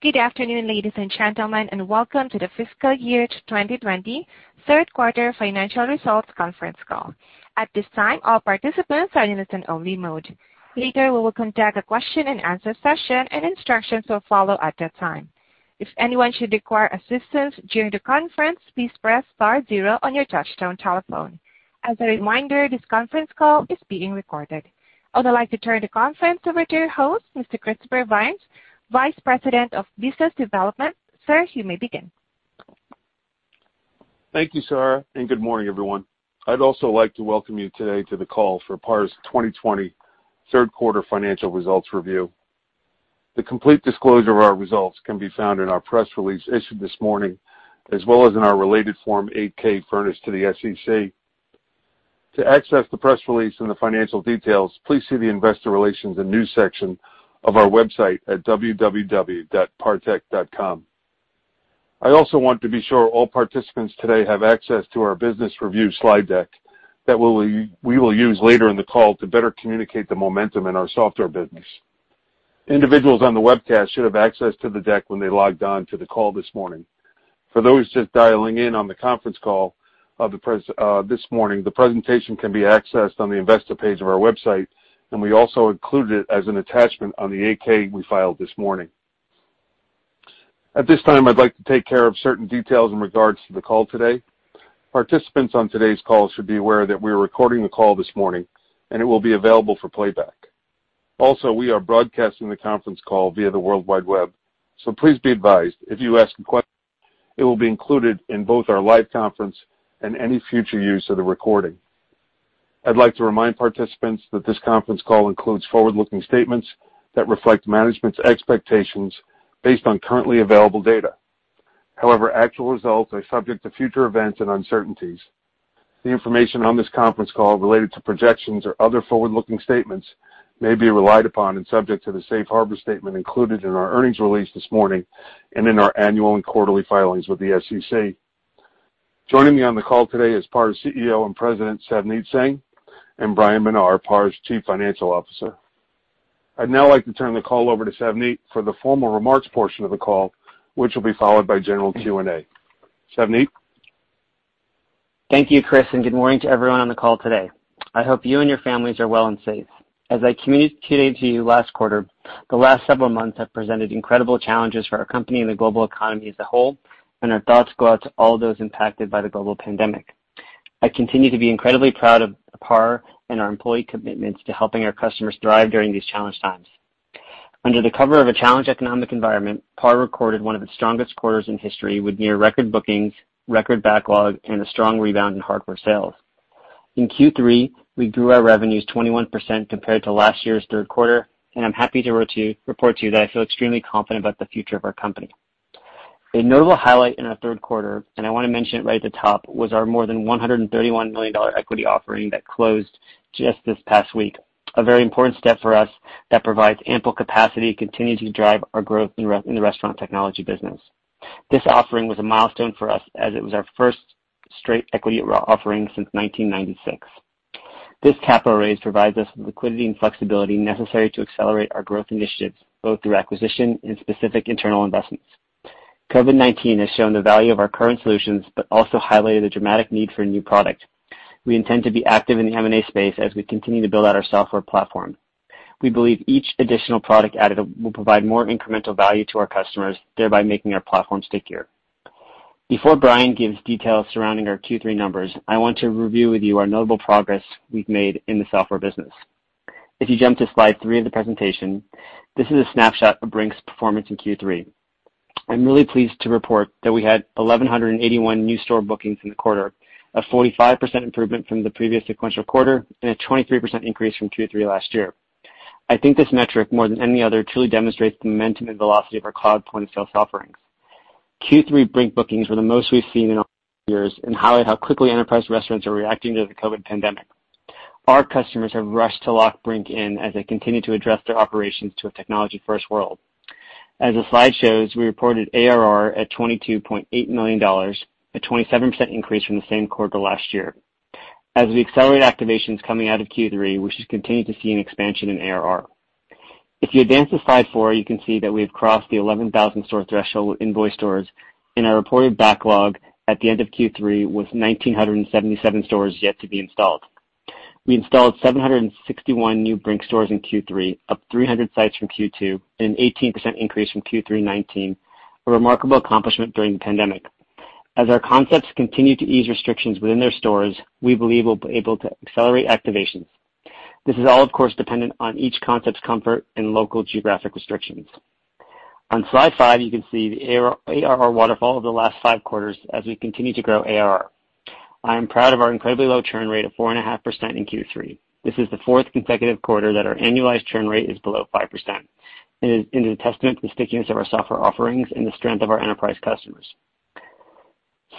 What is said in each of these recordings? Good afternoon, ladies and gentlemen, and welcome to the Fiscal Year 2020 Third Quarter Financial Results Conference Call. At this time, all participants are in listen-only mode. Later, we will conduct a question-and-answer session, and instructions will follow at that time. If anyone should require assistance during the conference, please press star zero on your touch-tone telephone. As a reminder, this conference call is being recorded. I would like to turn the conference over to your host, Mr. Christopher Byrnes, Vice President of Business Development. Sir, you may begin. Thank you, Sarah, and good morning, everyone. I'd also like to welcome you today to the call for PAR's 2020 Third Quarter Financial Results Review. The complete disclosure of our results can be found in our press release issued this morning, as well as in our related Form 8-K furnished to the SEC. To access the press release and the financial details, please see the Investor Relations and News section of our website at www.partech.com. I also want to be sure all participants today have access to our business review slide deck that we will use later in the call to better communicate the momentum in our software business. Individuals on the webcast should have access to the deck when they logged on to the call this morning. For those just dialing in on the conference call this morning, the presentation can be accessed on the Investor page of our website, and we also included it as an attachment on the 8K we filed this morning. At this time, I'd like to take care of certain details in regards to the call today. Participants on today's call should be aware that we are recording the call this morning, and it will be available for playback. Also, we are broadcasting the conference call via the World Wide Web, so please be advised if you ask a question, it will be included in both our live conference and any future use of the recording. I'd like to remind participants that this conference call includes forward-looking statements that reflect management's expectations based on currently available data. However, actual results are subject to future events and uncertainties. The information on this conference call related to projections or other forward-looking statements may be relied upon and subject to the safe harbor statement included in our earnings release this morning and in our annual and quarterly filings with the SEC. Joining me on the call today is PAR's CEO and President, Savneet Singh, and Bryan Menar, PAR's Chief Financial Officer. I'd now like to turn the call over to Savneet for the formal remarks portion of the call, which will be followed by general Q&A. Savneet? Thank you, Chris, and good morning to everyone on the call today. I hope you and your families are well and safe. As I communicated to you last quarter, the last several months have presented incredible challenges for our company and the global economy as a whole, and our thoughts go out to all those impacted by the global pandemic. I continue to be incredibly proud of PAR and our employee commitments to helping our customers thrive during these challenge times. Under the cover of a challenged economic environment, PAR recorded one of its strongest quarters in history with near-record bookings, record backlog, and a strong rebound in hardware sales. In Q3, we grew our revenues 21% compared to last year's third quarter, and I'm happy to report to you that I feel extremely confident about the future of our company. A notable highlight in our third quarter, and I want to mention it right at the top, was our more than $131 million equity offering that closed just this past week, a very important step for us that provides ample capacity to continue to drive our growth in the restaurant technology business. This offering was a milestone for us as it was our first straight equity offering since 1996. This capital raise provides us with liquidity and flexibility necessary to accelerate our growth initiatives, both through acquisition and specific internal investments. COVID-19 has shown the value of our current solutions, but also highlighted the dramatic need for a new product. We intend to be active in the M&A space as we continue to build out our software platform. We believe each additional product added will provide more incremental value to our customers, thereby making our platform stickier. Before Brian gives details surrounding our Q3 numbers, I want to review with you our notable progress we've made in the software business. If you jump to slide three of the presentation, this is a snapshot of Brink's performance in Q3. I'm really pleased to report that we had 1,181 new store bookings in the quarter, a 45% improvement from the previous sequential quarter, and a 23% increase from Q3 last year. I think this metric, more than any other, truly demonstrates the momentum and velocity of our cloud point-of-sale offerings. Q3 Brink bookings were the most we've seen in all years and highlight how quickly enterprise restaurants are reacting to the COVID pandemic. Our customers have rushed to lock Brink in as they continue to adjust their operations to a technology-first world. As the slide shows, we reported ARR at $22.8 million, a 27% increase from the same quarter last year. As we accelerate activations coming out of Q3, we should continue to see an expansion in ARR. If you advance to slide four, you can see that we have crossed the 11,000-store threshold with invoice stores, and our reported backlog at the end of Q3 was 1,977 stores yet to be installed. We installed 761 new Brink stores in Q3, up 300 sites from Q2, and an 18% increase from Q3 2019, a remarkable accomplishment during the pandemic. As our concepts continue to ease restrictions within their stores, we believe we'll be able to accelerate activations. This is all, of course, dependent on each concept's comfort and local geographic restrictions. On slide five, you can see the ARR waterfall of the last five quarters as we continue to grow ARR. I am proud of our incredibly low churn rate of 4.5% in Q3. This is the fourth consecutive quarter that our annualized churn rate is below 5%. It is a testament to the stickiness of our software offerings and the strength of our enterprise customers.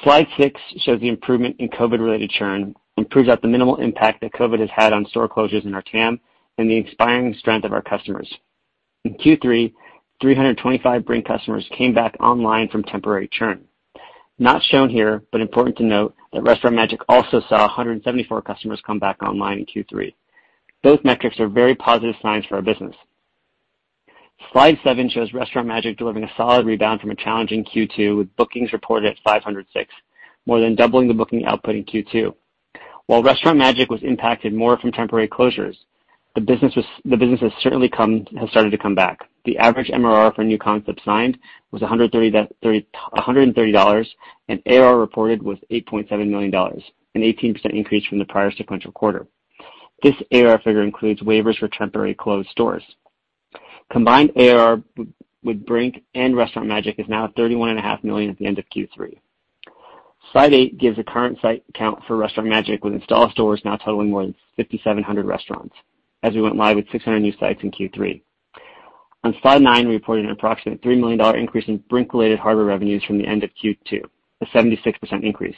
Slide six shows the improvement in COVID-related churn, which proves out the minimal impact that COVID has had on store closures in our TAM and the inspiring strength of our customers. In Q3, 325 Brink customers came back online from temporary churn. Not shown here, but important to note, that Restaurant Magic also saw 174 customers come back online in Q3. Both metrics are very positive signs for our business. Slide seven shows Restaurant Magic delivering a solid rebound from a challenging Q2 with bookings reported at 506, more than doubling the booking output in Q2. While Restaurant Magic was impacted more from temporary closures, the business has certainly started to come back. The average MRR for new concepts signed was $130, and ARR reported was $8.7 million, an 18% increase from the prior sequential quarter. This ARR figure includes waivers for temporary closed stores. Combined ARR with Brink and Restaurant Magic is now $31.5 million at the end of Q3. Slide eight gives the current site count for Restaurant Magic with installed stores now totaling more than 5,700 restaurants, as we went live with 600 new sites in Q3. On slide nine, we reported an approximate $3 million increase in Brink-related hardware revenues from the end of Q2, a 76% increase.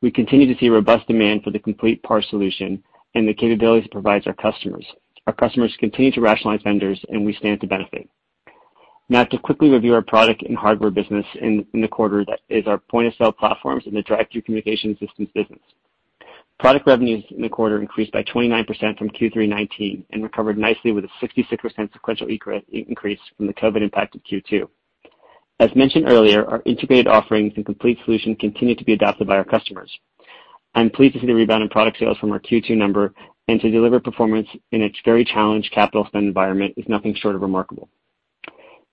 We continue to see robust demand for the complete PAR solution and the capabilities it provides our customers. Our customers continue to rationalize vendors, and we stand to benefit. Now, to quickly review our product and hardware business in the quarter, that is our point-of-sale platforms and the Drive-Thru communication assistance business. Product revenues in the quarter increased by 29% from Q3 2019 and recovered nicely with a 66% sequential increase from the COVID impact of Q2. As mentioned earlier, our integrated offerings and complete solution continue to be adopted by our customers. I'm pleased to see the rebound in product sales from our Q2 number, and to deliver performance in its very challenged capital spend environment is nothing short of remarkable.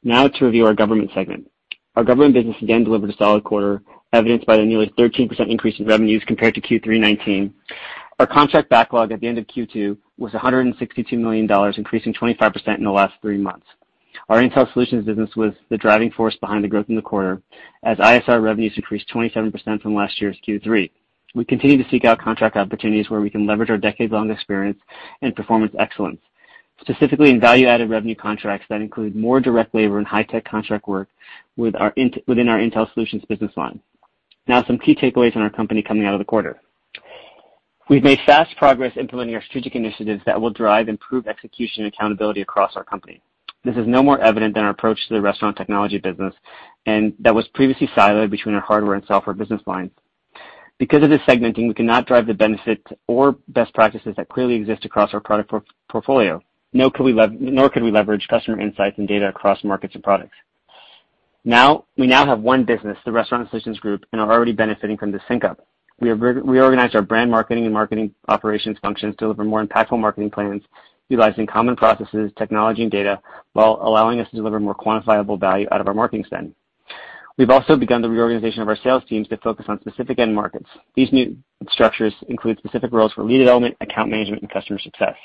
Now, to review our government segment. Our government business again delivered a solid quarter, evidenced by the nearly 13% increase in revenues compared to Q3 2019. Our contract backlog at the end of Q2 was $162 million, increasing 25% in the last three months. Our Intel Solutions business was the driving force behind the growth in the quarter, as ISR revenues increased 27% from last year's Q3. We continue to seek out contract opportunities where we can leverage our decades-long experience and performance excellence, specifically in value-added revenue contracts that include more direct labor and high-tech contract work within our Intel Solutions business line. Now, some key takeaways in our company coming out of the quarter. We've made fast progress implementing our strategic initiatives that will drive improved execution and accountability across our company. This is no more evident than our approach to the restaurant technology business, and that was previously siloed between our hardware and software business lines. Because of this segmenting, we cannot drive the benefits or best practices that clearly exist across our product portfolio, nor could we leverage customer insights and data across markets and products. Now, we now have one business, the Restaurant Solutions Group, and are already benefiting from this sync-up. We organized our brand marketing and marketing operations functions to deliver more impactful marketing plans utilizing common processes, technology, and data, while allowing us to deliver more quantifiable value out of our marketing spend. We've also begun the reorganization of our sales teams to focus on specific end markets. These new structures include specific roles for lead element, account management, and customer success.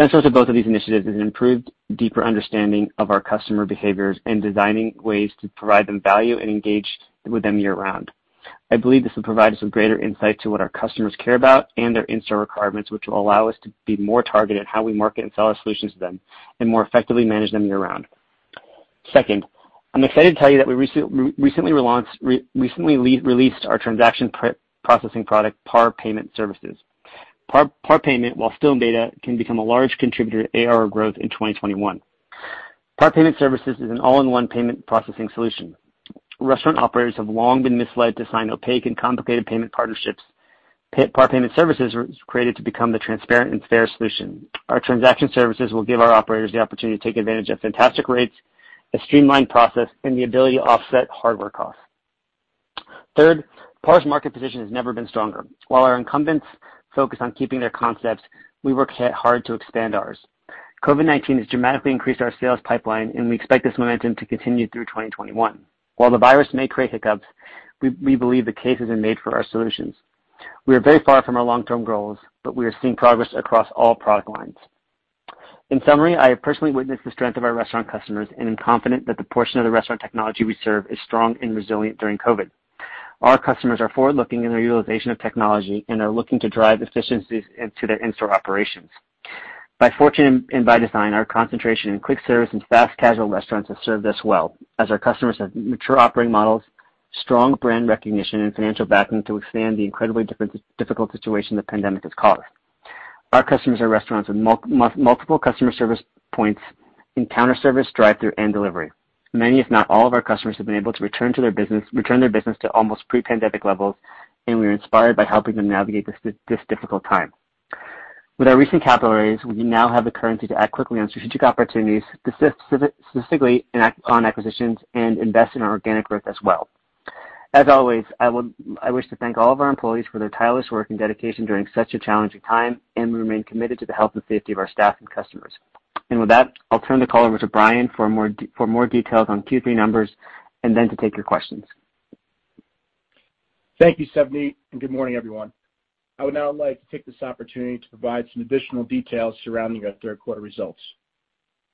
Central to both of these initiatives is an improved, deeper understanding of our customer behaviors and designing ways to provide them value and engage with them year-round. I believe this will provide us with greater insight to what our customers care about and their in-store requirements, which will allow us to be more targeted in how we market and sell our solutions to them and more effectively manage them year-round. Second, I'm excited to tell you that we recently released our transaction processing product, PAR Payment Services. PAR Payment, while still in beta, can become a large contributor to ARR growth in 2021. PAR Payment Services is an all-in-one payment processing solution. Restaurant operators have long been misled to sign opaque and complicated payment partnerships. PAR Payment Services was created to become the transparent and fair solution. Our transaction services will give our operators the opportunity to take advantage of fantastic rates, a streamlined process, and the ability to offset hardware costs. Third, PAR's market position has never been stronger. While our incumbents focus on keeping their concepts, we work hard to expand ours. COVID-19 has dramatically increased our sales pipeline, and we expect this momentum to continue through 2021. While the virus may create hiccups, we believe the case has been made for our solutions. We are very far from our long-term goals, but we are seeing progress across all product lines. In summary, I have personally witnessed the strength of our restaurant customers and am confident that the portion of the restaurant technology we serve is strong and resilient during COVID. Our customers are forward-looking in their utilization of technology and are looking to drive efficiencies into their in-store operations. By fortune and by design, our concentration in quick service and fast casual restaurants has served us well, as our customers have mature operating models, strong brand recognition, and financial backing to expand the incredibly difficult situation the pandemic has caused. Our customers are restaurants with multiple customer service points in counter service, drive-through, and delivery. Many, if not all, of our customers have been able to return to their business to almost pre-pandemic levels, and we are inspired by helping them navigate this difficult time. With our recent capital raise, we now have the currency to act quickly on strategic opportunities, specifically on acquisitions, and invest in our organic growth as well. As always, I wish to thank all of our employees for their tireless work and dedication during such a challenging time, and we remain committed to the health and safety of our staff and customers. I will turn the call over to Brian for more details on Q3 numbers and then to take your questions. Thank you, Savneet, and good morning, everyone. I would now like to take this opportunity to provide some additional details surrounding our third quarter results.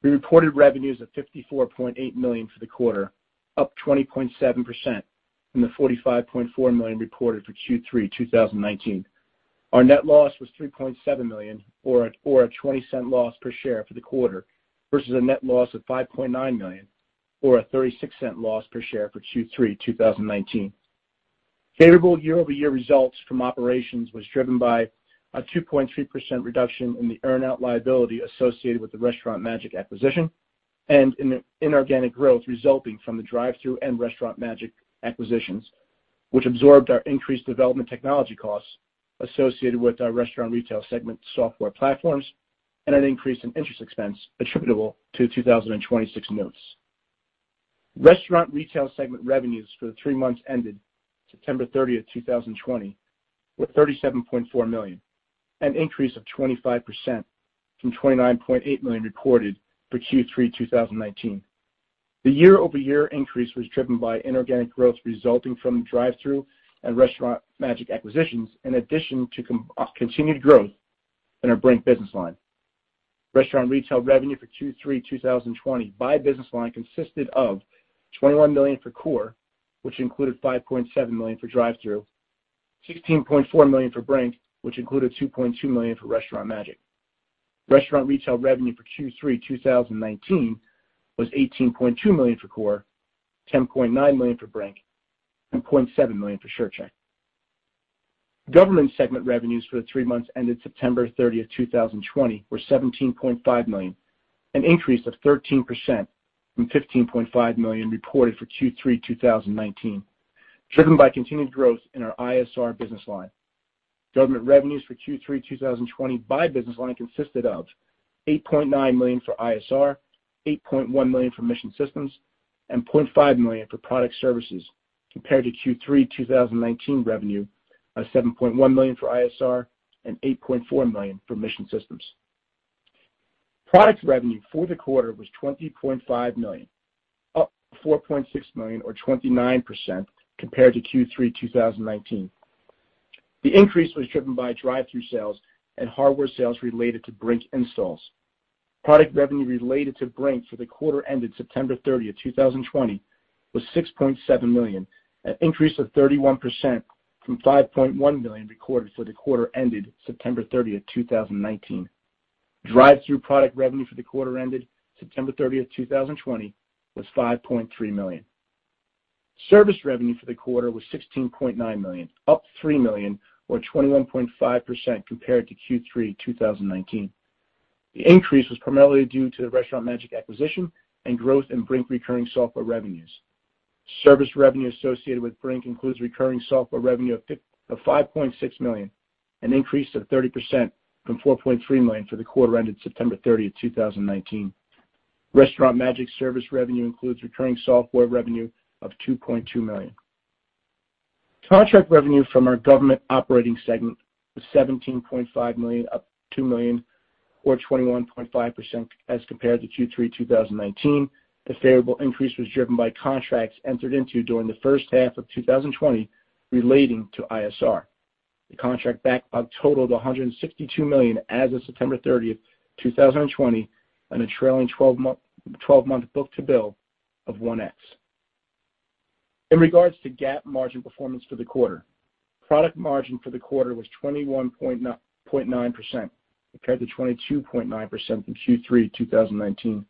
We reported revenues of $54.8 million for the quarter, up 20.7% from the $45.4 million reported for Q3 2019. Our net loss was $3.7 million, or a $0.20 loss per share for the quarter, versus a net loss of $5.9 million, or a $0.36 loss per share for Q3 2019. Favorable year-over-year results from operations were driven by a 2.3% reduction in the earn-out liability associated with the Restaurant Magic acquisition and inorganic growth resulting from the Drive-Through and Restaurant Magic acquisitions, which absorbed our increased development technology costs associated with our restaurant retail segment software platforms and an increase in interest expense attributable to 2026 notes. Restaurant/Retail segment revenues for the three months ended September 30, 2020, were $37.4 million, an increase of 25% from $29.8 million reported for Q3 2019. The year-over-year increase was driven by inorganic growth resulting from the Drive-Through and Restaurant Magic acquisitions, in addition to continued growth in our Brink business line. Restaurant/Retail revenue for Q3 2020 by business line consisted of $21 million for core, which included $5.7 million for Drive-Through, $16.4 million for Brink, which included $2.2 million for Restaurant Magic. Restaurant retail revenue for Q3 2019 was $18.2 million for core, $10.9 million for Brink, and $0.7 million for SureCheck. Government segment revenues for the three months ended September 30, 2020, were $17.5 million, an increase of 13% from $15.5 million reported for Q3 2019, driven by continued growth in our ISR business line. Government revenues for Q3 2020 by business line consisted of $8.9 million for ISR, $8.1 million for Mission Systems, and $0.5 million for Product Services, compared to Q3 2019 revenue of $7.1 million for ISR and $8.4 million for Mission Systems. Product revenue for the quarter was $20.5 million, up $4.6 million, or 29%, compared to Q3 2019. The increase was driven by drive-through sales and hardware sales related to Brink installs. Product revenue related to Brink for the quarter ended September 30, 2020, was $6.7 million, an increase of 31% from $5.1 million recorded for the quarter ended September 30, 2019. Drive-through product revenue for the quarter ended September 30, 2020, was $5.3 million. Service revenue for the quarter was $16.9 million, up $3 million, or 21.5%, compared to Q3 2019. The increase was primarily due to the Restaurant Magic acquisition and growth in Brink recurring software revenues. Service revenue associated with Brink includes recurring software revenue of $5.6 million, an increase of 30% from $4.3 million for the quarter ended September 30, 2019. Restaurant Magic service revenue includes recurring software revenue of $2.2 million. Contract revenue from our government operating segment was $17.5 million, up $2 million, or 21.5%, as compared to Q3 2019. The favorable increase was driven by contracts entered into during the first half of 2020 relating to ISR. The contract backlog totaled $162 million as of September 30, 2020, and a trailing 12-month book-to-bill of $1X. In regards to GAAP margin performance for the quarter, product margin for the quarter was 21.9%, compared to 22.9% from Q3 2019.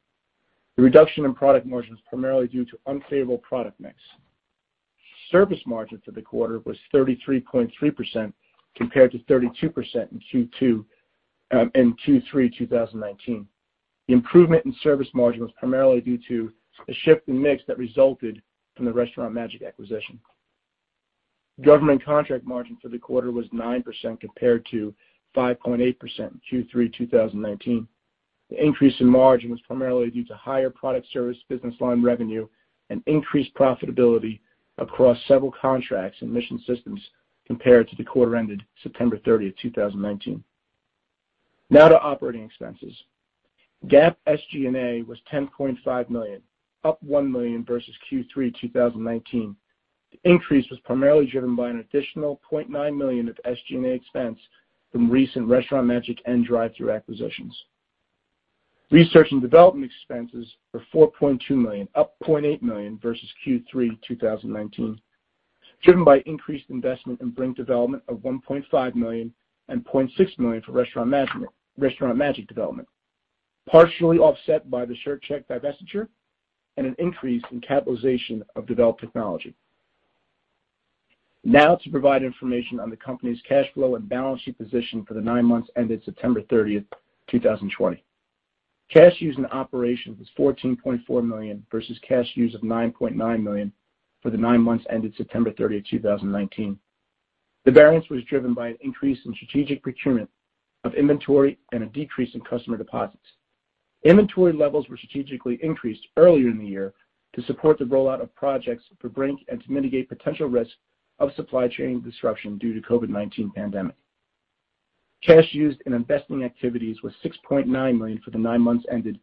The reduction in product margin was primarily due to unfavorable product mix. Service margin for the quarter was 33.3%, compared to 32% in Q3 2019. The improvement in service margin was primarily due to the shift in mix that resulted from the Restaurant Magic acquisition. Government contract margin for the quarter was 9%, compared to 5.8% in Q3 2019. The increase in margin was primarily due to higher product service business line revenue and increased profitability across several contracts and mission systems, compared to the quarter ended September 30, 2019. Now to operating expenses. GAAP SG&A was $10.5 million, up $1 million versus Q3 2019. The increase was primarily driven by an additional $0.9 million of SG&A expense from recent Restaurant Magic and Drive-Through acquisitions. Research and development expenses were $4.2 million, up $0.8 million versus Q3 2019, driven by increased investment in Brink development of $1.5 million and $0.6 million for Restaurant Magic development, partially offset by the Sure Check divestiture and an increase in capitalization of developed technology. Now to provide information on the company's cash flow and balance sheet position for the nine months ended September 30, 2020. Cash used in operations was $14.4 million versus cash used of $9.9 million for the nine months ended September 30, 2019. The variance was driven by an increase in strategic procurement of inventory and a decrease in customer deposits. Inventory levels were strategically increased earlier in the year to support the rollout of projects for Brink and to mitigate potential risk of supply chain disruption due to the COVID-19 pandemic. Cash used in investing activities was $6.9 million for the nine months ended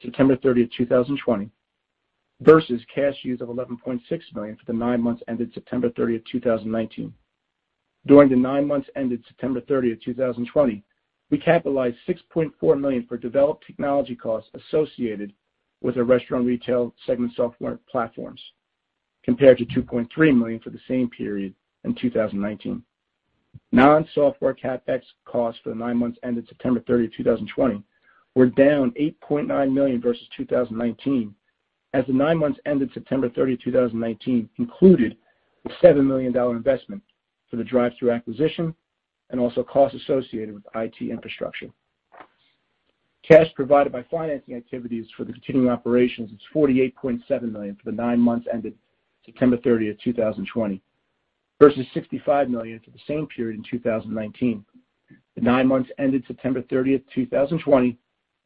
September 30, 2020, versus cash used of $11.6 million for the nine months ended September 30, 2019. During the nine months ended September 30, 2020, we capitalized $6.4 million for developed technology costs associated with our restaurant retail segment software platforms, compared to $2.3 million for the same period in 2019. Non-software CapEx costs for the nine months ended September 30, 2020, were down $8.9 million versus 2019, as the nine months ended September 30, 2019, included a $7 million investment for the drive-through acquisition and also costs associated with IT infrastructure. Cash provided by financing activities for the continuing operations was $48.7 million for the nine months ended September 30, 2020, versus $65 million for the same period in 2019. The nine months ended September 30, 2020,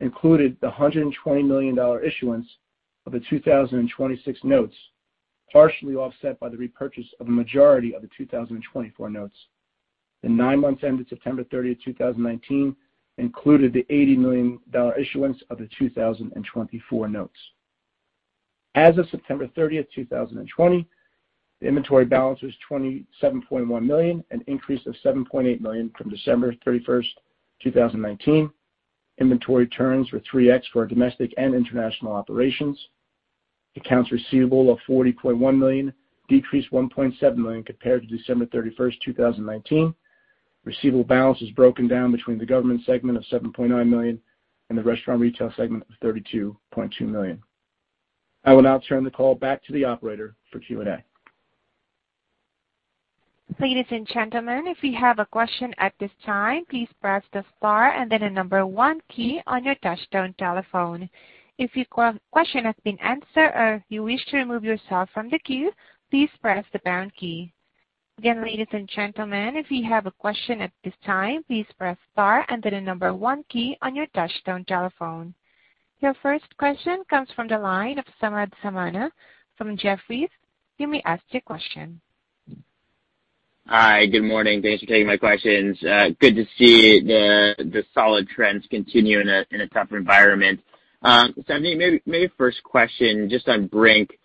included the $120 million issuance of the 2026 notes, partially offset by the repurchase of a majority of the 2024 notes. The nine months ended September 30, 2019, included the $80 million issuance of the 2024 notes. As of September 30, 2020, the inventory balance was $27.1 million, an increase of $7.8 million from December 31, 2019. Inventory turns were 3X for our domestic and international operations. Accounts receivable of $40.1 million decreased $1.7 million compared to December 31, 2019. Receivable balance was broken down between the government segment of $7.9 million and the restaurant retail segment of $32.2 million. I will now turn the call back to the operator for Q&A. Ladies and gentlemen, if you have a question at this time, please press the star and then the number one key on your touch-tone telephone. If your question has been answered or you wish to remove yourself from the queue, please press the pound key. Again, ladies and gentlemen, if you have a question at this time, please press star and then the number one key on your touch-tone telephone. Your first question comes from the line of Samad Samana from Jefferies. You may ask your question. Hi. Good morning. Thanks for taking my questions. Good to see the solid trends continue in a tough environment. Savneet, maybe first question just on Brink.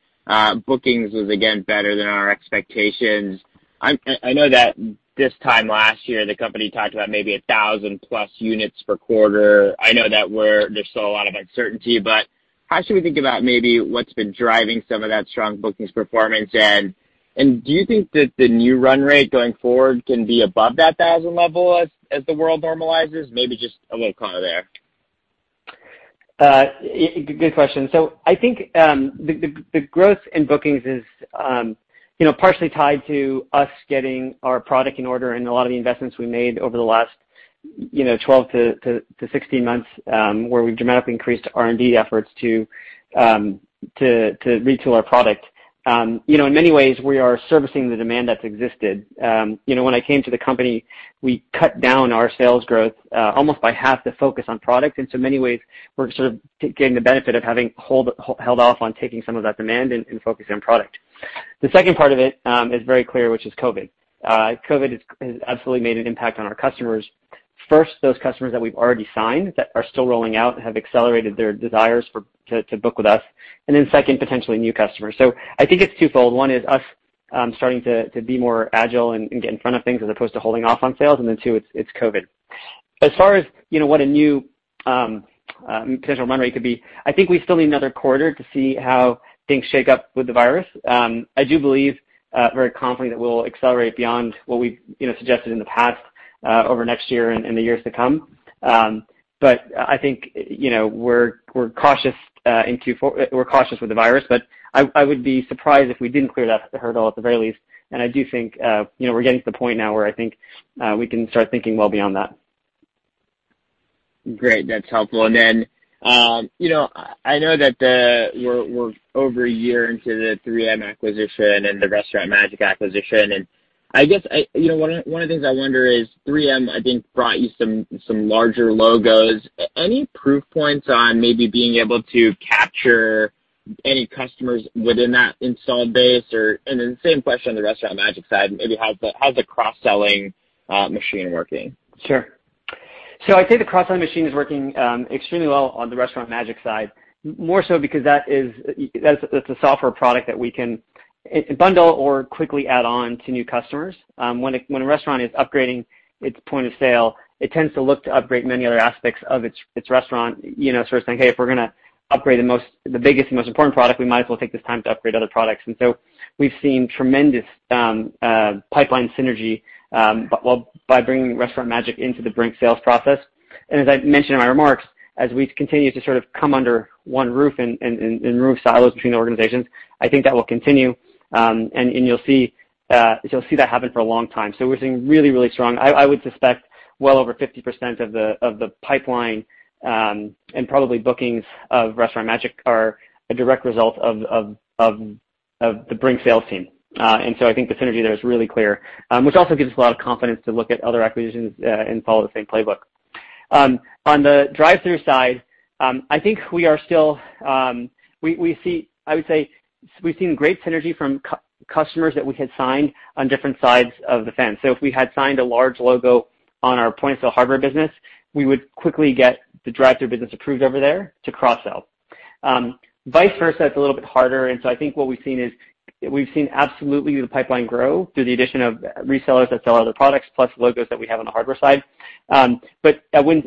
Bookings was, again, better than our expectations. I know that this time last year, the company talked about maybe 1,000-plus units per quarter. I know that there's still a lot of uncertainty, but how should we think about maybe what's been driving some of that strong bookings performance? Do you think that the new run rate going forward can be above that 1,000 level as the world normalizes? Maybe just a little cloud there. Good question. I think the growth in bookings is partially tied to us getting our product in order and a lot of the investments we made over the last 12 to 16 months where we've dramatically increased R&D efforts to retail our product. In many ways, we are servicing the demand that's existed. When I came to the company, we cut down our sales growth almost by half to focus on product. In many ways, we're sort of getting the benefit of having held off on taking some of that demand and focusing on product. The second part of it is very clear, which is COVID. COVID has absolutely made an impact on our customers. First, those customers that we've already signed that are still rolling out have accelerated their desires to book with us. Second, potentially new customers. I think it's twofold. One is us starting to be more agile and get in front of things as opposed to holding off on sales. Then two, it's COVID. As far as what a new potential run rate could be, I think we still need another quarter to see how things shake up with the virus. I do believe very confidently that we'll accelerate beyond what we've suggested in the past over next year and the years to come. I think we're cautious with the virus, but I would be surprised if we didn't clear that hurdle at the very least. I do think we're getting to the point now where I think we can start thinking well beyond that. Great. That's helpful. I know that we're over a year into the 3M acquisition and the Restaurant Magic acquisition. I guess one of the things I wonder is 3M, I think, brought you some larger logos. Any proof points on maybe being able to capture any customers within that installed base? Same question on the Restaurant Magic side. Maybe how's the cross-selling machine working? Sure. I think the cross-selling machine is working extremely well on the Restaurant Magic side, more so because that's a software product that we can bundle or quickly add on to new customers. When a restaurant is upgrading its point of sale, it tends to look to upgrade many other aspects of its restaurant, sort of saying, "Hey, if we're going to upgrade the biggest and most important product, we might as well take this time to upgrade other products." We have seen tremendous pipeline synergy by bringing Restaurant Magic into the Brink sales process. As I mentioned in my remarks, as we continue to sort of come under one roof and move silos between the organizations, I think that will continue. You will see that happen for a long time. We are seeing really, really strong. I would suspect well over 50% of the pipeline and probably bookings of Restaurant Magic are a direct result of the Brink sales team. I think the synergy there is really clear, which also gives us a lot of confidence to look at other acquisitions and follow the same playbook. On the drive-through side, I think we are still—I would say we've seen great synergy from customers that we had signed on different sides of the fence. If we had signed a large logo on our point of sale hardware business, we would quickly get the drive-through business approved over there to cross-sell. Vice versa, it's a little bit harder. I think what we've seen is we've seen absolutely the pipeline grow through the addition of resellers that sell other products plus logos that we have on the hardware side. It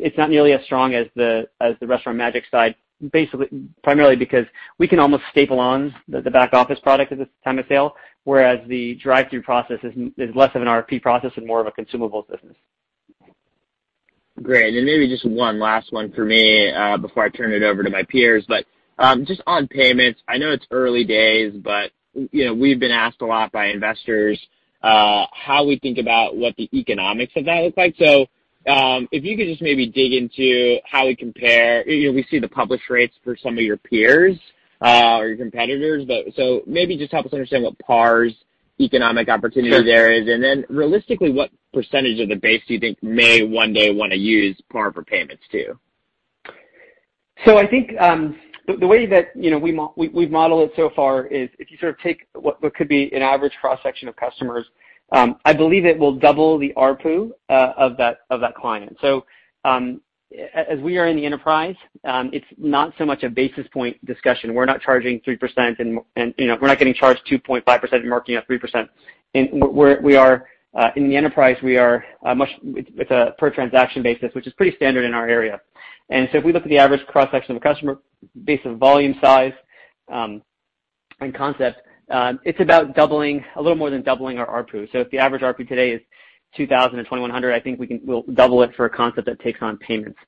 is not nearly as strong as the Restaurant Magic side, basically primarily because we can almost staple on the back office product at the time of sale, whereas the drive-through process is less of an RFP process and more of a consumables business. Great. Maybe just one last one for me before I turn it over to my peers. Just on payments, I know it's early days, but we've been asked a lot by investors how we think about what the economics of that look like. If you could just maybe dig into how we compare—we see the publish rates for some of your peers or your competitors. Maybe just help us understand what PAR's economic opportunity there is. Realistically, what percentage of the base do you think may one day want to use PAR for payments too? I think the way that we've modeled it so far is if you sort of take what could be an average cross-section of customers, I believe it will double the ARPU of that client. As we are in the enterprise, it's not so much a basis point discussion. We're not charging 3%, and we're not getting charged 2.5% and marking up 3%. In the enterprise, we are much—it's a per-transaction basis, which is pretty standard in our area. If we look at the average cross-section of a customer based on volume size and concept, it's about doubling, a little more than doubling our ARPU. If the average ARPU today is $2,000-$2,100, I think we'll double it for a concept that takes on payments.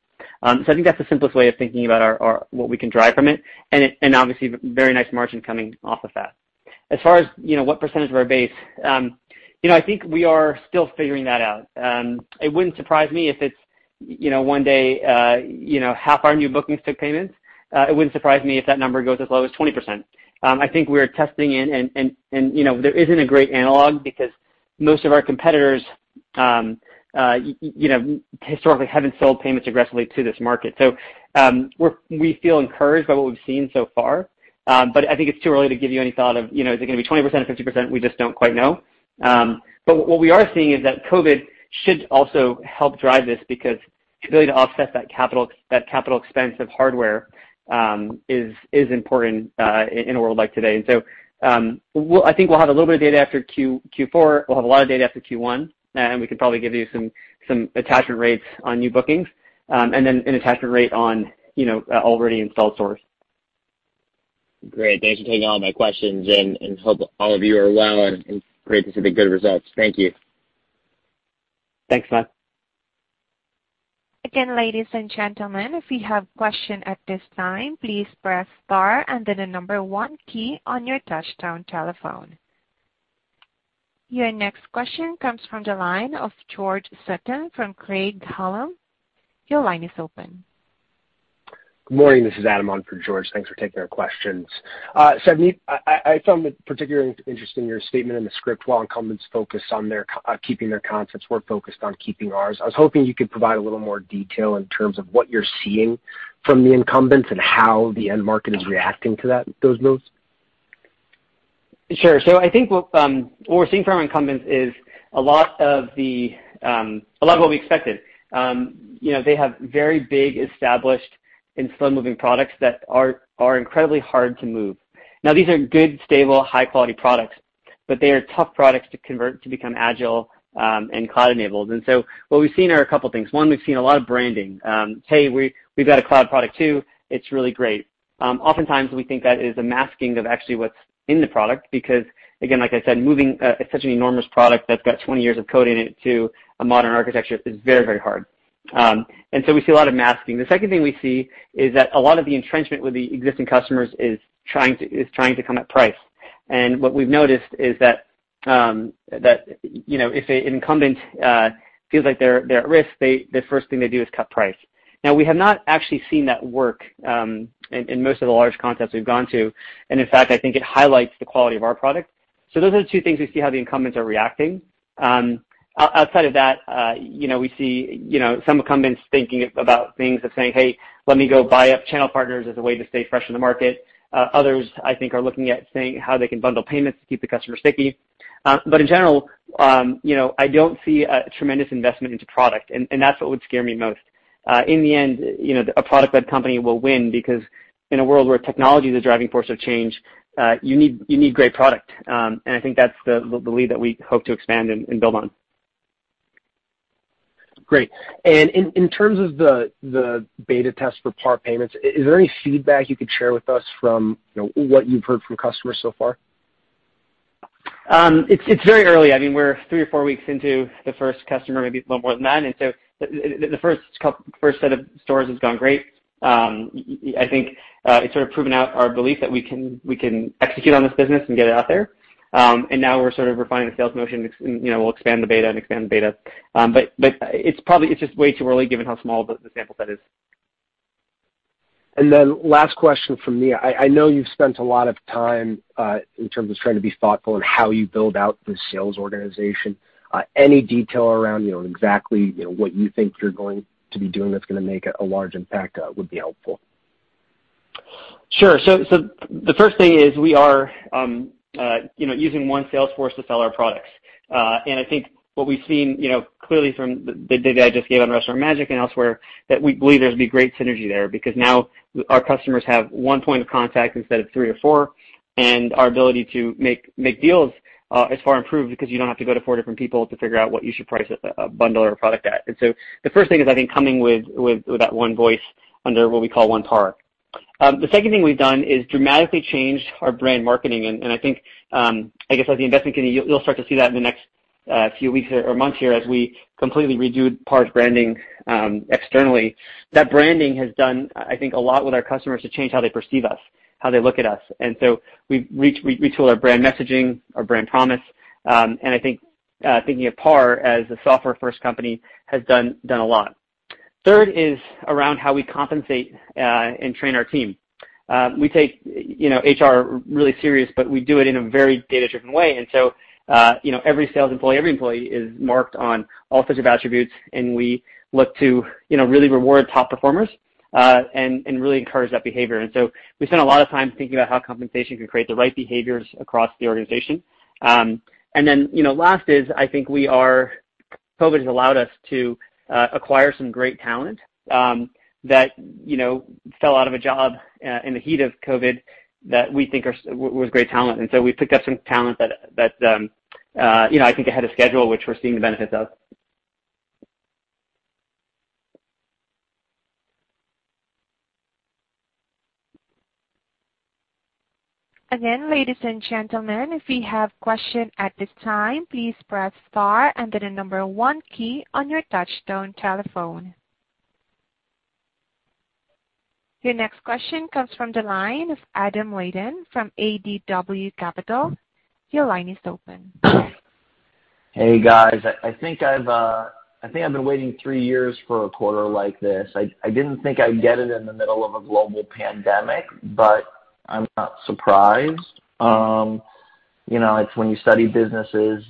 I think that's the simplest way of thinking about what we can drive from it and obviously very nice margin coming off of that. As far as what percentage of our base, I think we are still figuring that out. It wouldn't surprise me if one day half our new bookings took payments. It wouldn't surprise me if that number goes as low as 20%. I think we're testing in, and there isn't a great analog because most of our competitors historically haven't sold payments aggressively to this market. We feel encouraged by what we've seen so far. I think it's too early to give you any thought of, is it going to be 20% or 50%. We just don't quite know. What we are seeing is that COVID should also help drive this because the ability to offset that capital expense of hardware is important in a world like today. I think we'll have a little bit of data after Q4. We'll have a lot of data after Q1. We can probably give you some attachment rates on new bookings and then an attachment rate on already installed stores. Great. Thanks for taking all my questions. I hope all of you are well and great to see the good results. Thank you. Thanks, Samad. Again, ladies and gentlemen, if you have questions at this time, please press star and then the number one key on your touch-stone telephone. Your next question comes from the line of George Sutton from Craig-Hallum. Your line is open. Good morning. This is Adam on for George. Thanks for taking our questions. Savneet, I found particularly interesting your statement in the script while incumbents focused on keeping their concepts, we're focused on keeping ours. I was hoping you could provide a little more detail in terms of what you're seeing from the incumbents and how the end market is reacting to those moves. Sure. I think what we're seeing from incumbents is a lot of what we expected. They have very big, established, and slow-moving products that are incredibly hard to move. These are good, stable, high-quality products, but they are tough products to convert to become agile and cloud-enabled. What we've seen are a couple of things. One, we've seen a lot of branding. "Hey, we've got a cloud product too. It's really great." Oftentimes, we think that is a masking of actually what's in the product because, again, like I said, moving such an enormous product that's got 20 years of code in it to a modern architecture is very, very hard. We see a lot of masking. The second thing we see is that a lot of the entrenchment with the existing customers is trying to come at price. What we've noticed is that if an incumbent feels like they're at risk, the first thing they do is cut price. We have not actually seen that work in most of the large concepts we've gone to. In fact, I think it highlights the quality of our product. Those are the two things we see, how the incumbents are reacting. Outside of that, we see some incumbents thinking about things of saying, "Hey, let me go buy up channel partners as a way to stay fresh in the market." Others, I think, are looking at saying how they can bundle payments to keep the customer sticky. In general, I don't see a tremendous investment into product. That is what would scare me most. In the end, a product-led company will win because in a world where technology is a driving force of change, you need great product. I think that's the lead that we hope to expand and build on. Great. In terms of the beta test for PAR Payment Services, is there any feedback you could share with us from what you've heard from customers so far? It's very early. I mean, we're three or four weeks into the first customer, maybe a little more than that. The first set of stores has gone great. I think it's sort of proven out our belief that we can execute on this business and get it out there. Now we're sort of refining the sales motion. We'll expand the beta and expand the beta. It's just way too early given how small the sample set is. Last question from me. I know you've spent a lot of time in terms of trying to be thoughtful in how you build out the sales organization. Any detail around exactly what you think you're going to be doing that's going to make a large impact would be helpful. Sure. The first thing is we are using one sales force to sell our products. I think what we've seen clearly from the data I just gave on Restaurant Magic and elsewhere is that we believe there's going to be great synergy there because now our customers have one point of contact instead of three or four. Our ability to make deals is far improved because you don't have to go to four different people to figure out what you should price a bundle or a product at. The first thing is, I think, coming with that one voice under what we call one PAR. The second thing we've done is dramatically changed our brand marketing. I guess as the investment committee, you'll start to see that in the next few weeks or months here as we completely redo PAR's branding externally. That branding has done, I think, a lot with our customers to change how they perceive us, how they look at us. We have retooled our brand messaging, our brand promise. I think thinking of PAR as a software-first company has done a lot. Third is around how we compensate and train our team. We take HR really serious, but we do it in a very data-driven way. Every sales employee, every employee is marked on all sorts of attributes. We look to really reward top performers and really encourage that behavior. We spend a lot of time thinking about how compensation can create the right behaviors across the organization. Last is, I think COVID has allowed us to acquire some great talent that fell out of a job in the heat of COVID that we think was great talent. We picked up some talent that I think ahead of schedule, which we're seeing the benefits of. Again, ladies and gentlemen, if you have questions at this time, please press star and then the number one key on your touchstone telephone. Your next question comes from the line of Adam Wyden from ADW Capital. Your line is open. Hey, guys. I think I've been waiting three years for a quarter like this. I didn't think I'd get it in the middle of a global pandemic, but I'm not surprised. When you study businesses,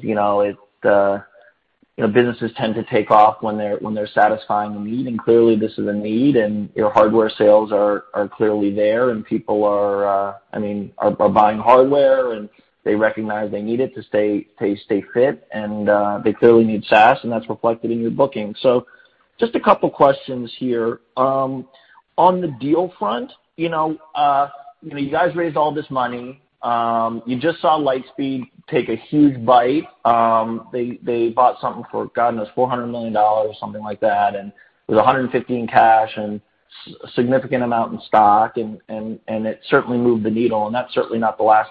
businesses tend to take off when they're satisfying the need. Clearly, this is a need. Your hardware sales are clearly there. People are, I mean, are buying hardware. They recognize they need it to stay fit. They clearly need SaaS. That's reflected in your booking. Just a couple of questions here. On the deal front, you guys raised all this money. You just saw Lightspeed take a huge bite. They bought something for, God knows, $400 million or something like that. It was $150 million in cash and a significant amount in stock. It certainly moved the needle. That's certainly not the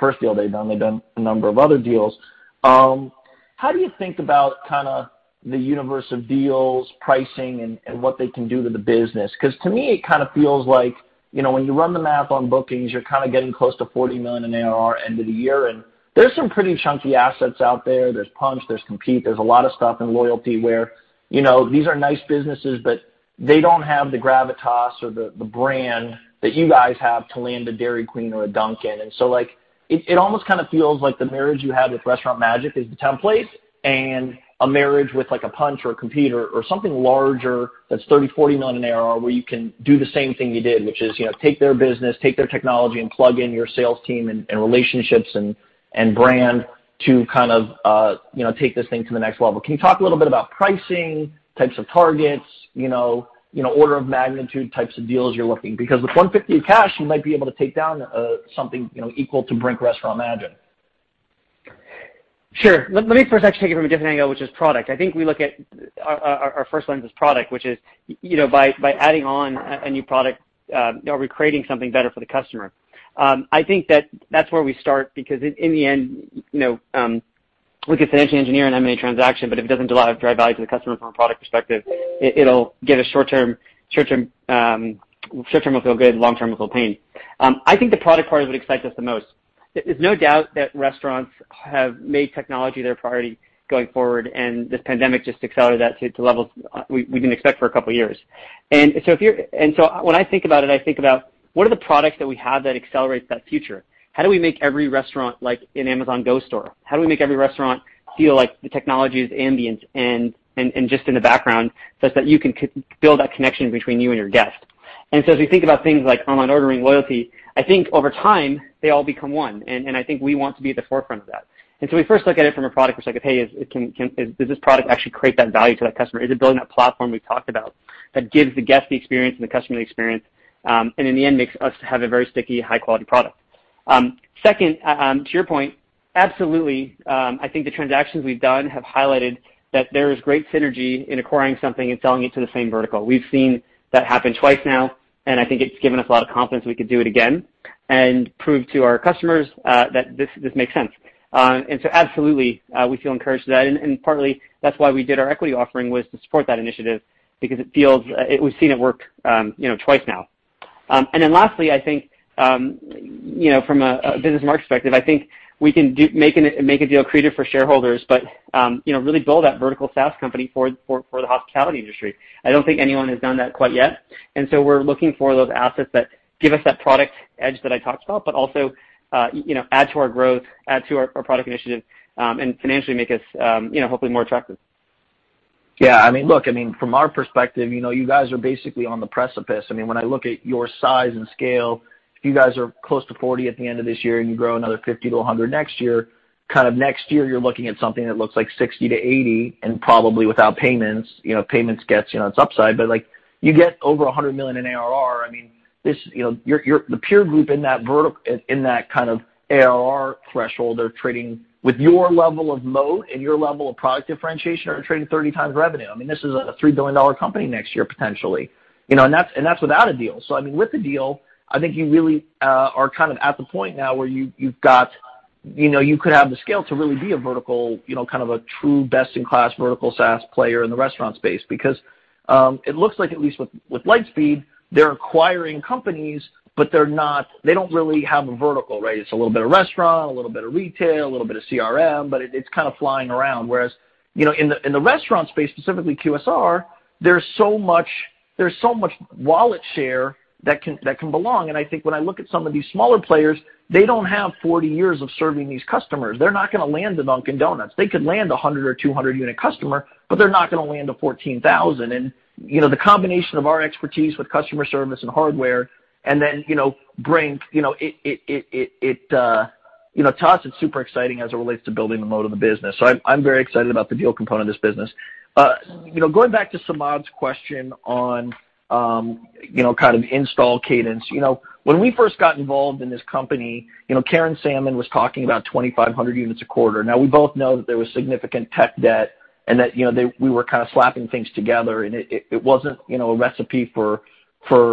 first deal they've done. They've done a number of other deals. How do you think about kind of the universe of deals, pricing, and what they can do to the business? Because to me, it kind of feels like when you run the math on bookings, you're kind of getting close to $40 million in ARR end of the year. And there's some pretty chunky assets out there. There's Punchh. There's Compeat. There's a lot of stuff in loyalty where these are nice businesses, but they don't have the gravitas or the brand that you guys have to land a Dairy Queen or a Dunkin'. It almost kind of feels like the marriage you had with Restaurant Magic is the template and a marriage with a Punchh or a Compeat or something larger that's $30 million-$40 million in ARR where you can do the same thing you did, which is take their business, take their technology, and plug in your sales team and relationships and brand to kind of take this thing to the next level. Can you talk a little bit about pricing, types of targets, order of magnitude, types of deals you're looking? Because with $150 million in cash, you might be able to take down something equal to Brink Restaurant Magic. Sure. Let me first actually take it from a different angle, which is product. I think we look at our first lens is product, which is by adding on a new product, are we creating something better for the customer? I think that that's where we start because in the end, we can financially engineer and have many transactions, but if it doesn't drive value to the customer from a product perspective, short-term will feel good. Long-term will feel pain. I think the product part is what excites us the most. There's no doubt that restaurants have made technology their priority going forward. This pandemic just accelerated that to levels we did not expect for a couple of years. When I think about it, I think about what are the products that we have that accelerate that future? How do we make every restaurant like an Amazon Go store? How do we make every restaurant feel like the technology is ambient and just in the background such that you can build that connection between you and your guest? As we think about things like online ordering, loyalty, I think over time, they all become one. I think we want to be at the forefront of that. We first look at it from a product perspective. Hey, does this product actually create that value to that customer? Is it building that platform we've talked about that gives the guest the experience and the customer the experience and in the end makes us have a very sticky, high-quality product? Second, to your point, absolutely. I think the transactions we've done have highlighted that there is great synergy in acquiring something and selling it to the same vertical. We've seen that happen twice now. I think it's given us a lot of confidence we could do it again and prove to our customers that this makes sense. Absolutely, we feel encouraged to that. Partly, that's why we did our equity offering was to support that initiative because we've seen it work twice now. Lastly, I think from a business market perspective, I think we can make a deal creative for shareholders, but really build that vertical SaaS company for the hospitality industry. I don't think anyone has done that quite yet. We are looking for those assets that give us that product edge that I talked about, but also add to our growth, add to our product initiative, and financially make us hopefully more attractive. Yeah. I mean, look, I mean, from our perspective, you guys are basically on the precipice. I mean, when I look at your size and scale, if you guys are close to 40 at the end of this year and you grow another 50-100 next year, kind of next year, you're looking at something that looks like 60-80 and probably without payments. Payments gets its upside. You get over $100 million in ARR. I mean, the peer group in that kind of ARR threshold, they're trading with your level of moat and your level of product differentiation, they're trading 30 times revenue. I mean, this is a $3 billion company next year potentially. That is without a deal. I mean, with the deal, I think you really are kind of at the point now where you could have the scale to really be a vertical, kind of a true best-in-class vertical SaaS player in the restaurant space because it looks like at least with Lightspeed, they're acquiring companies, but they don't really have a vertical, right? It's a little bit of restaurant, a little bit of retail, a little bit of CRM, but it's kind of flying around. Whereas in the restaurant space, specifically QSR, there's so much wallet share that can belong. I think when I look at some of these smaller players, they don't have 40 years of serving these customers. They're not going to land the Dunkin'. They could land a 100 or 200-unit customer, but they're not going to land a 14,000. The combination of our expertise with customer service and hardware and then Brink, to us, it's super exciting as it relates to building the moat of the business. I'm very excited about the deal component of this business. Going back to Samad's question on kind of install cadence, when we first got involved in this company, Karen Blasing was talking about 2,500 units a quarter. Now, we both know that there was significant tech debt and that we were kind of slapping things together. It wasn't a recipe for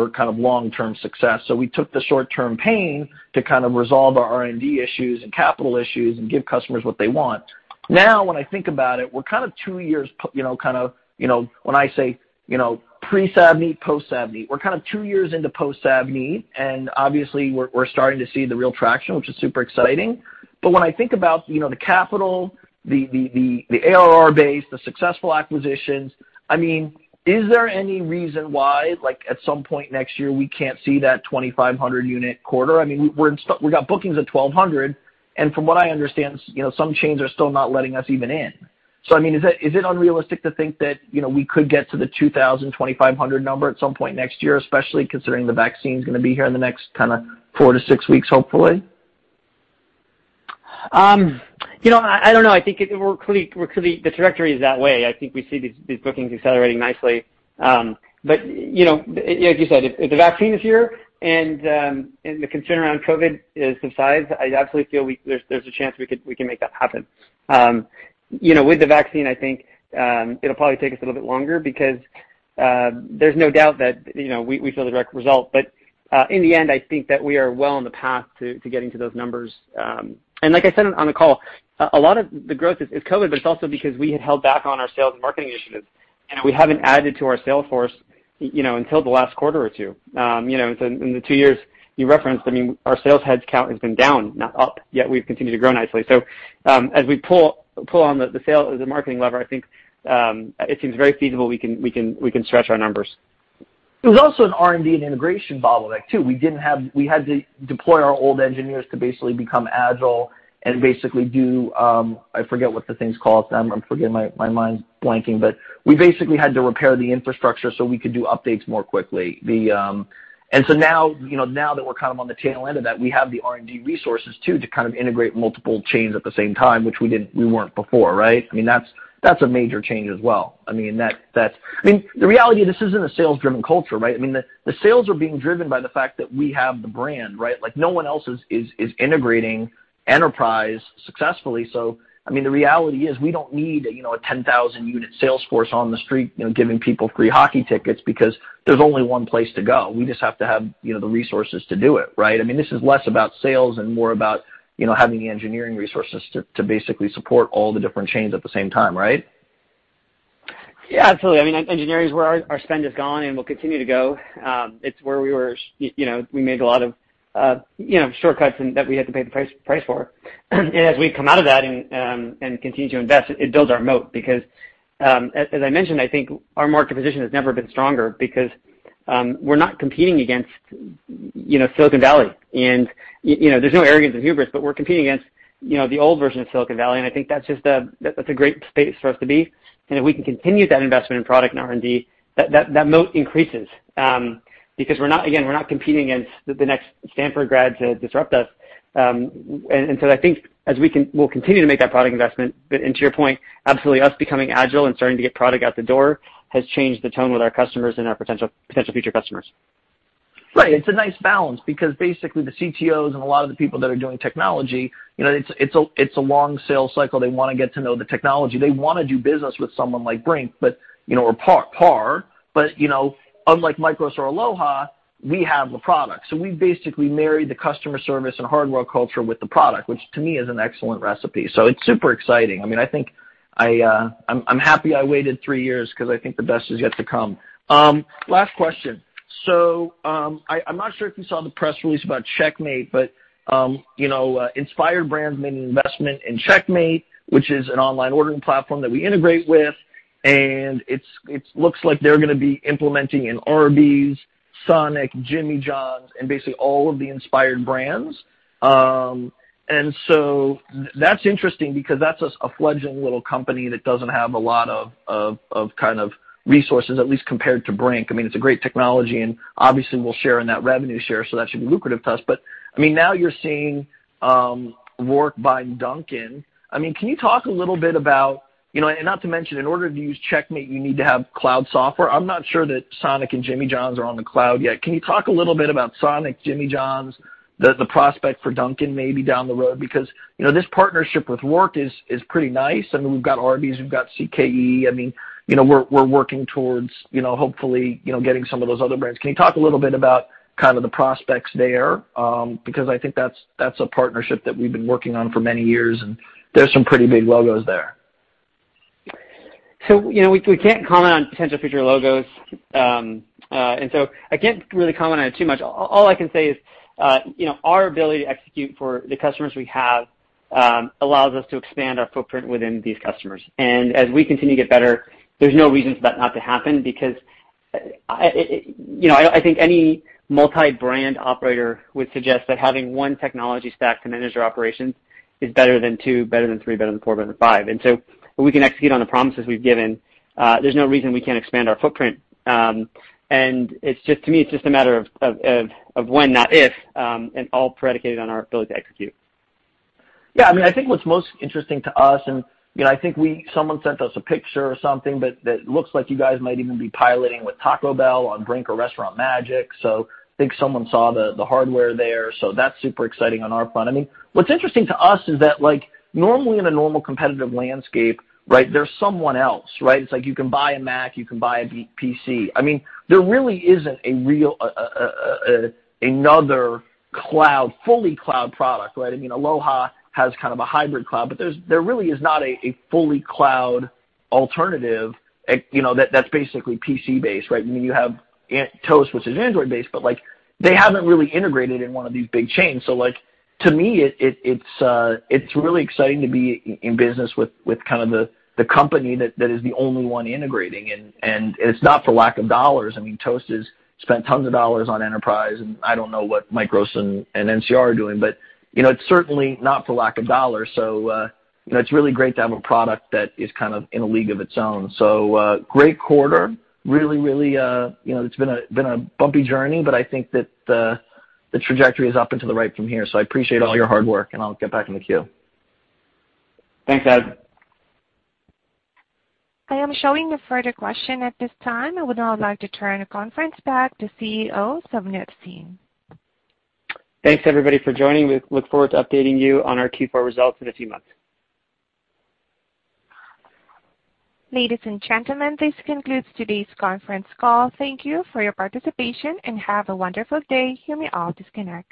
kind of long-term success. We took the short-term pain to kind of resolve our R&D issues and capital issues and give customers what they want. Now, when I think about it, we're kind of two years, kind of when I say pre-Savneet, post-Savneet, we're kind of two years into post-Savneet. Obviously, we're starting to see the real traction, which is super exciting. When I think about the capital, the ARR base, the successful acquisitions, I mean, is there any reason why at some point next year we can't see that 2,500-unit quarter? I mean, we've got bookings at 1,200. From what I understand, some chains are still not letting us even in. I mean, is it unrealistic to think that we could get to the 2,000-2,500 number at some point next year, especially considering the vaccine's going to be here in the next kind of four to six weeks, hopefully? I don't know. I think we're clearly the trajectory is that way. I think we see these bookings accelerating nicely. Like you said, if the vaccine is here and the concern around COVID subsides, I absolutely feel there's a chance we can make that happen. With the vaccine, I think it'll probably take us a little bit longer because there's no doubt that we feel the direct result. In the end, I think that we are well on the path to getting to those numbers. Like I said on the call, a lot of the growth is COVID, but it's also because we had held back on our sales and marketing initiatives. We haven't added to our sales force until the last quarter or two. In the two years you referenced, I mean, our sales headcount has been down, not up. Yet we've continued to grow nicely. As we pull on the sales and marketing lever, I think it seems very feasible we can stretch our numbers. It was also an R&D and integration bottleneck too. We had to deploy our old engineers to basically become agile and basically do, I forget what the thing's called, I'm forgetting, my mind's blanking. We basically had to repair the infrastructure so we could do updates more quickly. Now that we're kind of on the tail end of that, we have the R&D resources to kind of integrate multiple chains at the same time, which we weren't before, right? I mean, that's a major change as well. I mean, the reality of this isn't a sales-driven culture, right? I mean, the sales are being driven by the fact that we have the brand, right? No one else is integrating enterprise successfully. I mean, the reality is we don't need a 10,000-unit sales force on the street giving people free hockey tickets because there's only one place to go. We just have to have the resources to do it, right? I mean, this is less about sales and more about having the engineering resources to basically support all the different chains at the same time, right? Yeah, absolutely. I mean, engineering is where our spend has gone and will continue to go. It's where we made a lot of shortcuts that we had to pay the price for. As we come out of that and continue to invest, it builds our moat because, as I mentioned, I think our market position has never been stronger because we're not competing against Silicon Valley. There's no arrogance or hubris, but we're competing against the old version of Silicon Valley. I think that's a great space for us to be. If we can continue that investment in product and R&D, that moat increases because, again, we're not competing against the next Stanford grad to disrupt us. I think as we will continue to make that product investment, but to your point, absolutely, us becoming agile and starting to get product out the door has changed the tone with our customers and our potential future customers. Right. It's a nice balance because basically the CTOs and a lot of the people that are doing technology, it's a long sales cycle. They want to get to know the technology. They want to do business with someone like Brink or PAR. Unlike Micros or Aloha, we have the product. We basically marry the customer service and hardware culture with the product, which to me is an excellent recipe. It's super exciting. I mean, I think I'm happy I waited three years because I think the best is yet to come. Last question. I'm not sure if you saw the press release about Checkmate, but Inspire Brands made an investment in Checkmate, which is an online ordering platform that we integrate with. It looks like they're going to be implementing in Arby's, Sonic, Jimmy John's, and basically all of the Inspire Brands. That's interesting because that's a fledgling little company that doesn't have a lot of kind of resources, at least compared to Brink. I mean, it's a great technology. Obviously, we'll share in that revenue share. That should be lucrative to us. I mean, now you're seeing Roark, Dunkin'. Can you talk a little bit about, and not to mention, in order to use Checkmate, you need to have cloud software. I'm not sure that Sonic and Jimmy John's are on the cloud yet. Can you talk a little bit about Sonic, Jimmy John's, the prospect for Dunkin' maybe down the road? This partnership with Roark is pretty nice. I mean, we've got Arby's. We've got CKE. We're working towards hopefully getting some of those other brands. Can you talk a little bit about the prospects there? Because I think that's a partnership that we've been working on for many years. There's some pretty big logos there. We can't comment on potential future logos. I can't really comment on it too much. All I can say is our ability to execute for the customers we have allows us to expand our footprint within these customers. As we continue to get better, there's no reason for that not to happen because I think any multi-brand operator would suggest that having one technology stack to manage their operations is better than two, better than three, better than four, better than five. If we can execute on the promises we've given, there's no reason we can't expand our footprint. To me, it's just a matter of when, not if, and all predicated on our ability to execute. Yeah. I mean, I think what's most interesting to us, and I think someone sent us a picture or something, but it looks like you guys might even be piloting with Taco Bell on Brink or Restaurant Magic. I think someone saw the hardware there. That's super exciting on our front. I mean, what's interesting to us is that normally in a normal competitive landscape, right, there's someone else, right? It's like you can buy a Mac, you can buy a PC. I mean, there really isn't another fully cloud product, right? I mean, Aloha has kind of a hybrid cloud, but there really is not a fully cloud alternative that's basically PC-based, right? I mean, you have Toast, which is Android-based, but they haven't really integrated in one of these big chains. To me, it's really exciting to be in business with kind of the company that is the only one integrating. It's not for lack of dollars. I mean, Toast has spent tons of dollars on enterprise. I don't know what Micros and NCR are doing, but it's certainly not for lack of dollars. It's really great to have a product that is kind of in a league of its own. Great quarter. Really, really, it's been a bumpy journey, but I think that the trajectory is up and to the right from here. I appreciate all your hard work. I'll get back in the queue. Thanks, Adam. I am showing no further questions at this time. I would now like to turn the conference back to CEO Savneet Singh. Thanks, everybody, for joining. We look forward to updating you on our Q4 results in a few months. Ladies and gentlemen, this concludes today's conference call. Thank you for your participation and have a wonderful day. You may all disconnect.